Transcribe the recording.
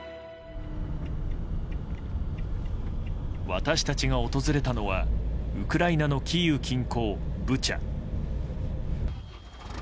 私たちが訪れたのはウクライナのキーウ近郊ブチャ。